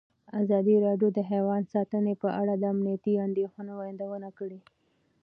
ازادي راډیو د حیوان ساتنه په اړه د امنیتي اندېښنو یادونه کړې.